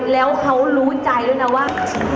แล้วเขารู้ใจเลยว่า